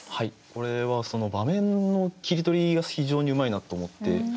これはその場面の切り取りが非常にうまいなと思って。